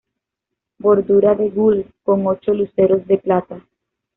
Bordura de gules con ocho luceros de plata.